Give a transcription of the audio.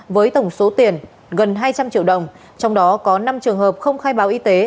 với tổng số tiền gần hai trăm linh triệu đồng trong đó có năm trường hợp không khai báo y tế